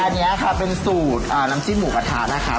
อันนี้ค่ะเป็นสูตรน้ำจิ้มหมูกระทะนะคะ